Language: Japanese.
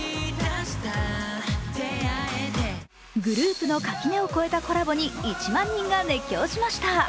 グループの垣根を越えたコラボに１万人が熱狂しました。